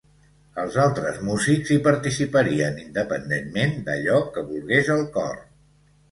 Els altres músics hi participarien, independentment d"allò que volgués el cor.